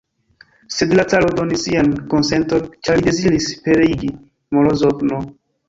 Sed la caro donis sian konsenton, ĉar li deziris pereigi Morozov'n.